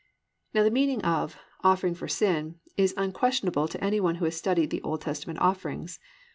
"+ Now the meaning of "offering for sin" is unquestionable to any one who has studied the Old Testament offerings.